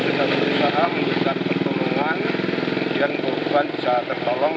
sudah berusaha memberikan pertolongan kemudian korban bisa tertolong